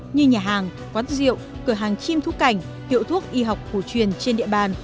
như nhà hàng quán rượu cửa hàng chim thú cảnh hiệu thuốc y học cổ truyền trên địa bàn